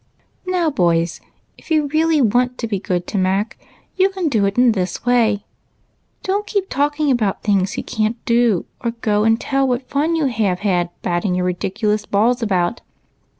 " Now, boys, if you really want to be good to Mac, you can do it in this way. Don't keep talking about things he can't do, or go and tell what fun you have had batting your ridiculous balls about.